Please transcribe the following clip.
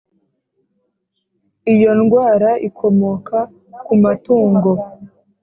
Iyo ndwara ikomoka kuma tungo